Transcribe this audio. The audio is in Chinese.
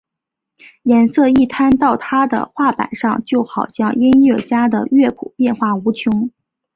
颜色一摊到他的画板上就好像音乐家的乐谱变化无穷！